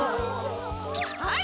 はい。